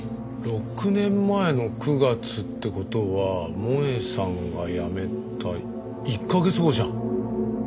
６年前の９月って事は萌絵さんが辞めた１カ月後じゃん。